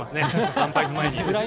乾杯の前に。